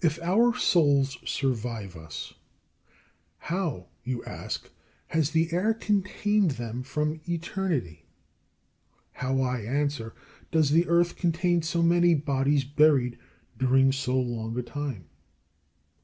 21. If our souls survive us, how, you ask, has the air contained them from eternity? How, I answer, does the earth contain so many bodies buried during so long a time?